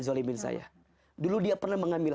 zolimin saya dulu dia pernah mengambil